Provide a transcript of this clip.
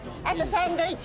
サンドイッチ。